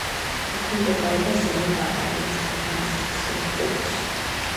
ექვემდებარება ზემო ბავარიის ადმინისტრაციულ ოლქს.